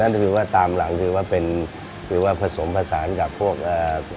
นั่นคือว่าตามหลังคือว่าเป็นคือว่าผสมผสานกับพวกอ่า